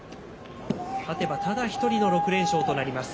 勝てばただ１人の６連勝となります。